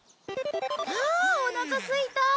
ああおなかすいた！